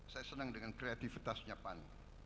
saya senang dengan kreativitasnya pan